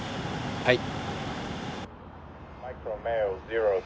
はい！